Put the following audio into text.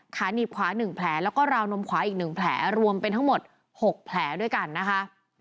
ขาหนีบขวา๑แผลแล้วก็ราวนมขวาอีก๑แผลรวมเป็นทั้งหมด๖แผลด้วยกันนะคะ